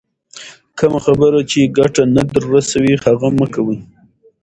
کمه خبر چي ګټه نه در رسوي، هغه مه کوئ!